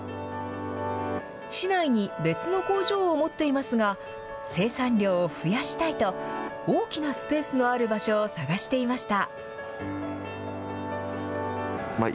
市内に別の工場を持っていますが、生産量を増やしたいと、大きなスペースのある場所を探していました。